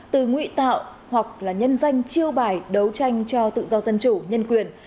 từ ngụy tạo hoặc là nhân danh chiêu bài đấu tranh cho tự do dân chủ nhân quyền